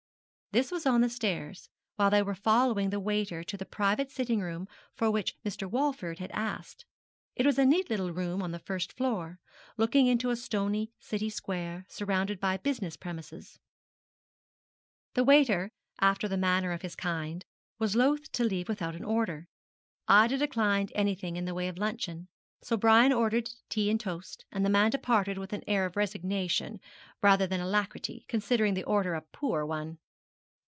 This was on the stairs, while they were following the waiter to the private sitting room for which Mr. Walford had asked. It was a neat little room on the first floor, looking into a stony city square, surrounded by business premises. The waiter, after the manner of his kind, was loth to leave without an order. Ida declined anything in the way of luncheon; so Brian ordered tea and toast, and the man departed with an air of resignation rather than alacrity, considering the order a poor one.